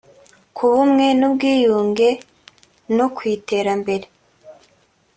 ku bumwe n’ubwiyunge no ku iterambere